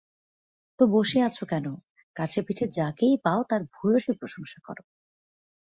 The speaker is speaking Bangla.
তো বসে আছো কেন, কাছেপিঠে যাকেই পাও, তার ভূয়সী প্রশংসা করো।